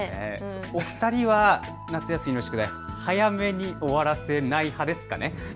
お二人は夏休みの宿題、早めに終わらせない派ですかね。